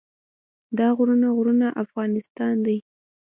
دا غرونه غرونه افغانستان دی.